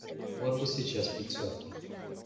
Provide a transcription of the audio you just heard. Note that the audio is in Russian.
Вот бы сейчас пятерку!